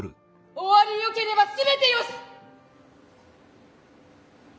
終わりよければすべてよし！